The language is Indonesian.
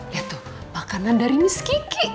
lihat tuh makanan dari miss kiki